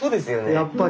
やっぱり。